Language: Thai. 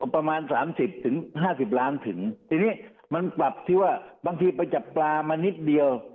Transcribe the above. ประมาณ๓๐๕๐ล้านถึงทีนี้มันปรับที่ว่าบางทีจับปลามานิดเดียว